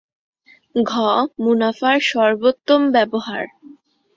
ঘ. মুনাফার সর্বোত্তম ব্যবহার